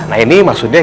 nah ini maksudnya